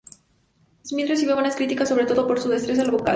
Smith recibió buenas críticas, sobre todo por su destreza vocal.